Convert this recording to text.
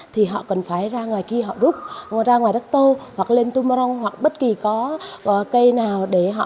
thì họ cần phải ra ngoài kia họ rút ra ngoài đắc tô hoặc lên tumorong hoặc bất kỳ có cây nào để họ